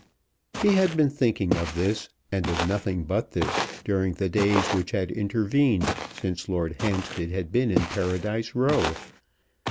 He had been thinking of this, and of nothing but this, during the days which had intervened since Lord Hampstead had been in Paradise Row.